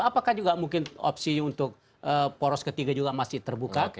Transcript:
apakah juga mungkin opsi untuk poros ketiga juga masih terbuka